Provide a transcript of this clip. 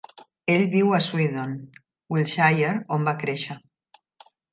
Ell viu a Swindon, Wiltshire, on va créixer.